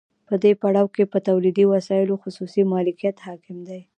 په دې پړاو کې په تولیدي وسایلو خصوصي مالکیت حاکم دی